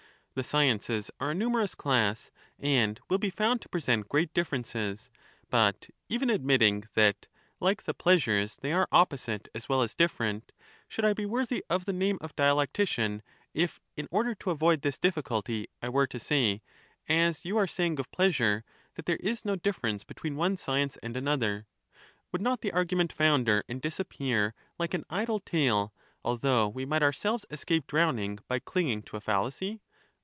The sciences are a numerous class, and will be found to present great differences. But even admitting that, like the pleasures, they are opposite as well as different, should I 14 be worthy of the name of dialectician if, in order to avoid this difficulty, I were to say (as you are saying of pleasure) that there is no difference between one science and another ;— would not the argument founder and disappear like an idle tale, although we might ourselves escape drowning by clinging to a fallacy